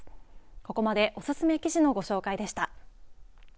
ここまでおすすめ記事のご紹介でした。